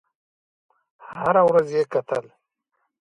هره ورځ یې کتل.